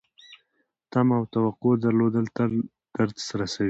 تمه او توقع درلودل تل درد رسوي .